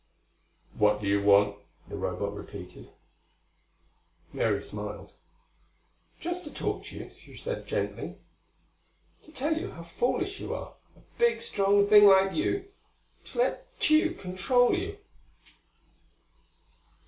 "What do you want?" the Robot repeated. Mary smiled. "Just to talk to you," she said gently. "To tell you how foolish you are a big strong thing like you! to let Tugh control you."